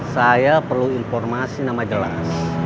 saya perlu informasi nama jelas